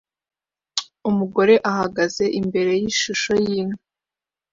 Umugore ahagaze imbere yishusho yinka